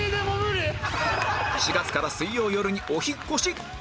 ４月から水曜よるにお引っ越し